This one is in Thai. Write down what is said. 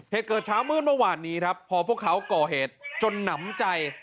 เหตุเกิดเช้ามืดเมื่อวานนี้ครับพอพวกเขาก่อเหตุจนหนำใจ